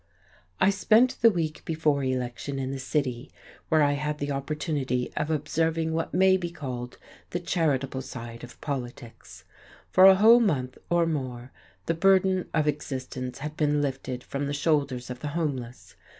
I spent the week before election in the city, where I had the opportunity of observing what may be called the charitable side of politics. For a whole month, or more, the burden of existence had been lifted from the shoulders of the homeless.